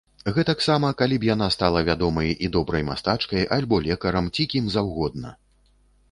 Гэтаксама, калі б яна стала вядомай і добрай мастачкай, альбо лекарам, ці кім заўгодна!